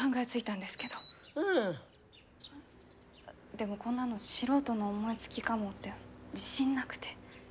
でも、こんなの素人の思いつきかもって自信なくて。